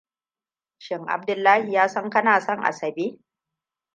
Shin Abdullahi ya san kana son Asabe?